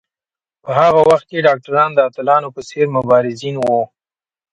په هغه وخت کې ډاکټران د اتلانو په څېر مبارزین وو.